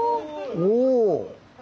おお。